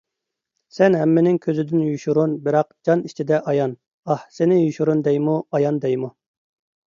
سەن ھەممىنىڭ كۆزىدىن يوشۇرۇن، بىراق جان ئىچىدە ئايان، ئاھ، سېنى يوشۇرۇن دەيمۇ، ئايان دەيمۇ؟